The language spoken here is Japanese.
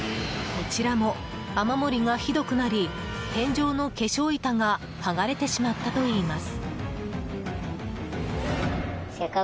こちらも雨漏りがひどくなり天井の化粧板が剥がれてしまったといいます。